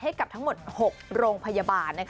ให้กับทั้งหมด๖โรงพยาบาล